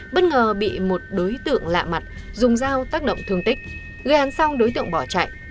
bất ngờ bị một đối tượng lạ mặt dùng dao tác động thương tích gây án xong đối tượng bỏ chạy